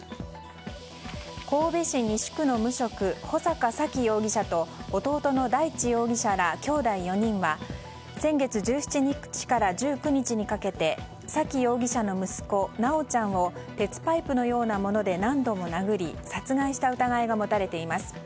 神戸市西区の無職穂坂沙喜容疑者と弟の大地容疑者らきょうだい４人は先月１７日から１９日にかけて沙喜容疑者の息子・修ちゃんを鉄パイプのようなもので何度も殴り殺害した疑いが持たれています。